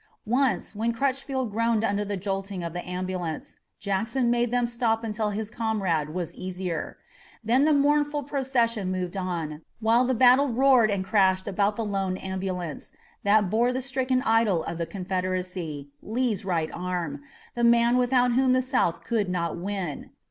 Once, when Crutchfield groaned under the jolting of the ambulance, Jackson made them stop until his comrade was easier. Then the mournful procession moved on, while the battle roared and crashed about the lone ambulance that bore the stricken idol of the Confederacy, Lee's right arm, the man without whom the South could not win.